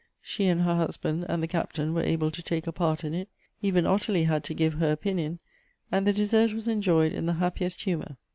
She and her husband and the Captain were able to take a part in it. Even Ottilie had to give her opinion ; and the dessert was enjoyed in the happiest humor.